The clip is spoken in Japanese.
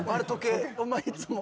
お前いつも。